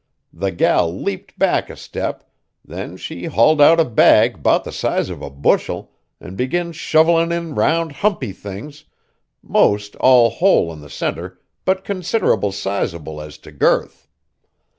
The gal leaped back a step; then she hauled out a bag 'bout the size of a bushel an' begins shovellin' in round, humpy things, most all hole in the centre but considerable sizable as t' girth.